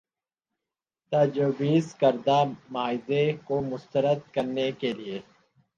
تجویزکردہ معاہدے کو مسترد کرنے کے لیے